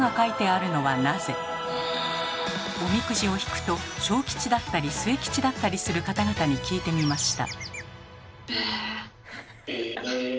おみくじを引くと小吉だったり末吉だったりする方々に聞いてみました。